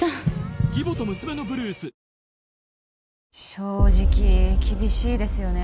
正直厳しいですよね